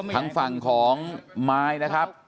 ทั้งฝั่งของไม้นะครับ